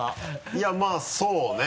いやまぁそうね。